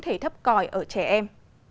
thể thấp còi ở trẻ em